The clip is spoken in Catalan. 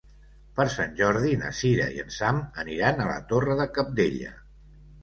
Per Sant Jordi na Cira i en Sam aniran a la Torre de Cabdella.